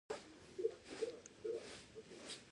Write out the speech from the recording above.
د علامه رشاد لیکنی هنر مهم دی ځکه چې کنایوي پیغامونه لري.